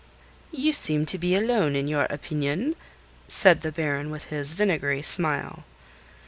"You seem to be alone in your opinion," said the Baron with his vinegary smile.